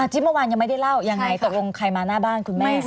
ที่เมื่อวานยังไม่ได้เล่ายังไงตกลงใครมาหน้าบ้านคุณแม่